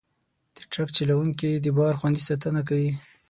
د ټرک چلوونکي د بار خوندي ساتنه کوي.